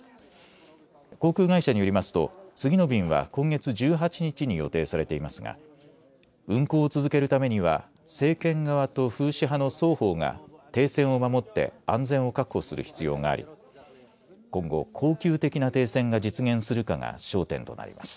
航空会社によりますと次の便は今月１８日に予定されていますが運航を続けるためには政権側とフーシ派の双方が停戦を守って安全を確保する必要があり今後、恒久的な停戦が実現するかが焦点となります。